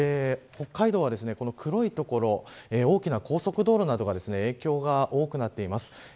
北海道はこの黒い所大きな高速道路などが影響が多くなっています。